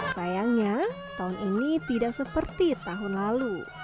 sayangnya tahun ini tidak seperti tahun lalu